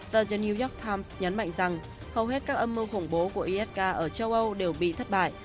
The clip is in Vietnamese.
tờ ja new york times nhấn mạnh rằng hầu hết các âm mưu khủng bố của isk ở châu âu đều bị thất bại